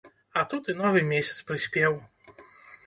А тут і новы месяц прыспеў.